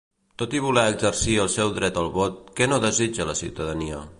Tot i voler exercir el seu dret al vot, què no desitja la ciutadania?